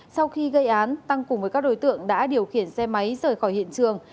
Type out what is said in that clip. sau khi gây án tăng cùng với các đối tượng đã điều khiển xe máy rời khỏi hiện trường